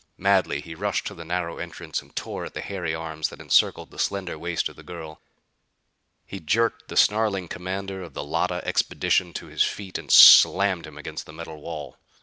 Madly he rushed to the narrow entrance and tore at the hairy arms that encircled the slender waist of the girl. He jerked the snarling commander of the Llotta expedition to his feet and slammed him against the metal wall.